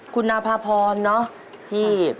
คุณอาภาพรนครสวรรค์เนอะ